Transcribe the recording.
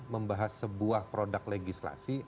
membahas sebuah produk legislasi